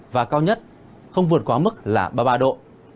và cao nhất không vượt quá mức là ba mươi ba độ